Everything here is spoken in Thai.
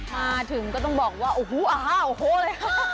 มาถึงก็ต้องบอกว่าโอ้โฮอะไรฮะ